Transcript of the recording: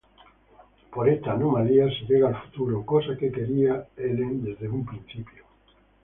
Por esta anomalía se llega al futuro, cosa que quería Helen desde un principio.